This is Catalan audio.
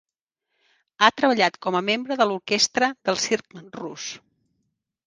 Ha treballat com a membre de l'orquestra del circ rus.